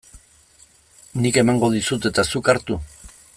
Nik emango dizut eta zuk hartu?